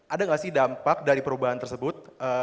ada nggak sih dampak dari perubahan tersebut